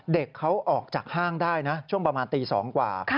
เด็กเขาออกจากห้างได้นะช่วงประมาณตี๒กว่า